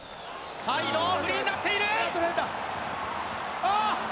サイドフリーになっている。